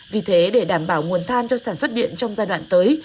vì thế để đảm bảo nguồn than cho sản xuất điện trong giai đoạn tới